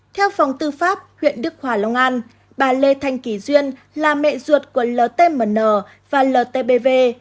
theo phòng tư pháp huyện đức hòa long an bà lê thanh kỳ duyên là mẹ ruột của ltmn và ltbv